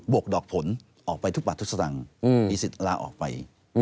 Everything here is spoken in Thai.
วกดอกผลออกไปทุกบาททุกสตังค์มีสิทธิ์ลาออกไป